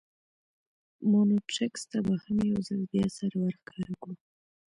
مونټریکس ته به هم یو ځل بیا سر ور ښکاره کړو.